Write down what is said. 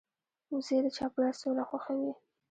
وزې د چاپېریال سوله خوښوي